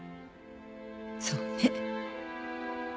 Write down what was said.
そうね。